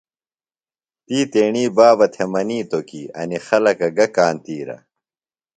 تی تیݨی بابہ تھےۡ منِیتوۡ کی انیۡ خلکہ گہ کانتِیرہ۔